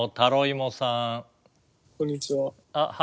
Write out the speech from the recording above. こんにちは。